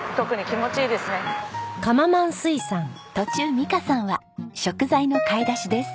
途中美香さんは食材の買い出しです。